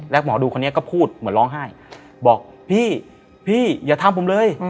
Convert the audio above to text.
แล้วหมอดูคนนี้ก็พูดเหมือนร้องไห้บอกพี่พี่อย่าทำผมเลย